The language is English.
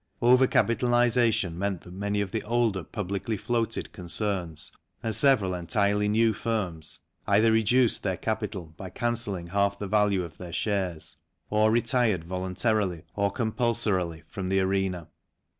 Over capitalization meant that many of the older publicly floated concerns and several entirely new firms either reduced their capital by cancelling half the value of their shares or retired voluntarily or compulsorily from the arena.